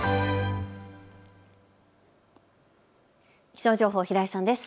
気象情報、平井さんです。